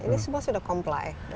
ini semua sudah comply